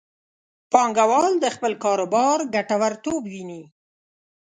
پانګوال د خپل کاروبار ګټورتوب ویني.